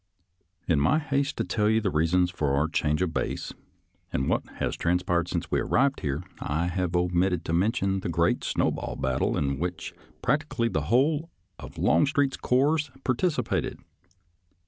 In my haste to tell you the reasons for our change of base and what has transpired since we arrived here, I have omitted to mention the great snowball battle in which practically the whole of Longstreet's corps participated.